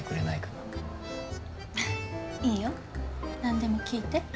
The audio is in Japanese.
なんでも聞いて。